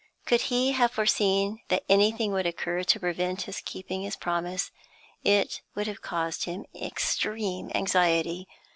Could he have foreseen that anything would occur to prevent his keeping his promise, it would have caused him extreme anxiety.